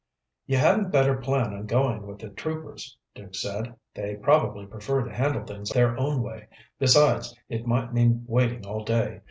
"You hadn't better plan on going with the troopers," Duke said. "They probably prefer to handle things their own way. Besides, it might mean waiting all day.